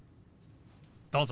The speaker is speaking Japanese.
どうぞ。